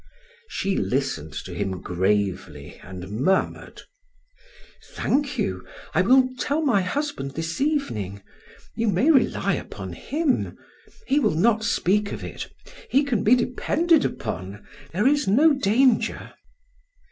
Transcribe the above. She listened to him gravely and murmured: "Thank you. I will tell my husband this evening. You may rely upon him; he will not speak of it; he can be depended upon; there is no danger."